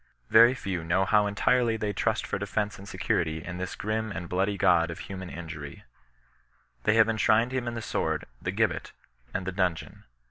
Very few know how entirely they trust for defence and security in this grim and Uoody god of human injury J^ They have en shrined him in the sword, the gibbet, and the dimgeon.